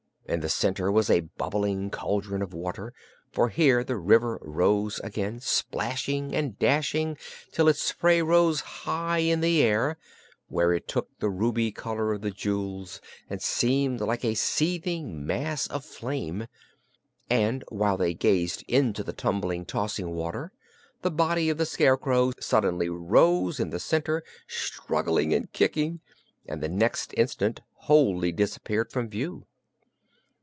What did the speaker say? In the center was a bubbling caldron of water, for here the river rose again, splashing and dashing till its spray rose high in the air, where it took the ruby color of the jewels and seemed like a seething mass of flame. And while they gazed into the tumbling, tossing water, the body of the Scarecrow suddenly rose in the center, struggling and kicking, and the next instant wholly disappeared from view.